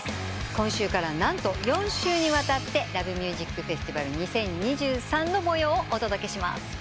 今週から何と４週にわたって「ＬＯＶＥＭＵＳＩＣＦＥＳＴＩＶＡＬ２０２３」の模様をお届けします。